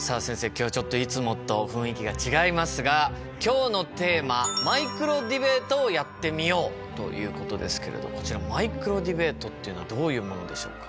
今日はちょっといつもと雰囲気が違いますが今日のテーマということですけれどこちらマイクロディベートっていうのはどういうものでしょうか？